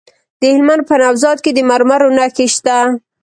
د هلمند په نوزاد کې د مرمرو نښې شته.